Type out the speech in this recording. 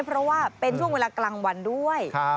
เพราะว่าเป็นช่วงเวลากลางวันด้วย